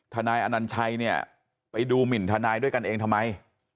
นายอนัญชัยเนี่ยไปดูหมินทนายด้วยกันเองทำไม